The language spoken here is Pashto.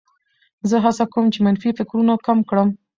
زه هڅه کوم چې منفي فکرونه کم کړم.